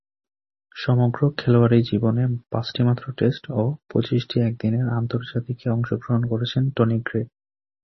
সমগ্র খেলোয়াড়ী জীবনে পাঁচটিমাত্র টেস্ট ও পঁচিশটি একদিনের আন্তর্জাতিকে অংশগ্রহণ করেছেন টনি গ্রে।